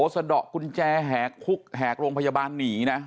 สะดอกกุญแจแหกโรงพยาบาลหนีนะ